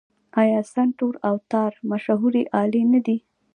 آیا سنتور او تار مشهورې الې نه دي؟